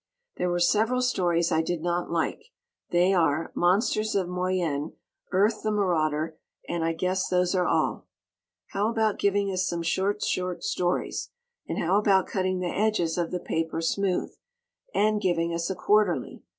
There were several stories I did not like. They are: "Monsters of Moyen," "Earth, the Marauder," and I guess those are all. How about giving us some short short stories? And how about cutting the edges of the paper smooth? And giving us a quarterly?